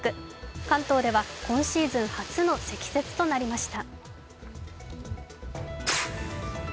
関東では今シーズン初の積雪となりました。